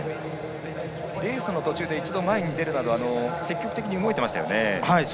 レースの途中一度、前に出るなど積極的に動いていましたね。